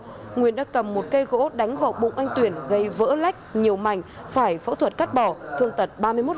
sau đó nguyên đã cầm một cây gỗ đánh vào bụng anh tuyển gây vỡ lách nhiều mảnh phải phẫu thuật cắt bỏ thương tật ba mươi một